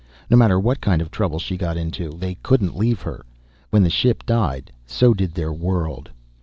No matter what kind of trouble she got into, they couldn't leave her. When the ship died, so did their world.